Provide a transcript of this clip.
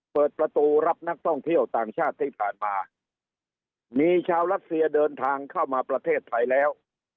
เปิดประตูรับนักท่องเที่ยวต่างชาติที่ผ่านมามีชาวรัสเซียเดินทางเข้ามาประเทศไทยแล้ว